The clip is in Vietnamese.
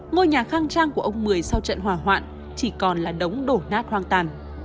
ngôi nhà khang trang của ông mười sau trận hỏa hoạn chỉ còn là đống đổ nát hoang tàn